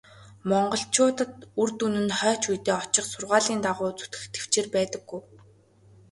Монголчуудад үр дүн нь хойч үедээ очих сургаалын дагуу зүтгэх тэвчээр байдаггүй.